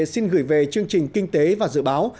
xin gửi về chương trình kinh tế và dự báo